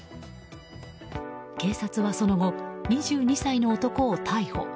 警察はその後、２２歳の男を逮捕。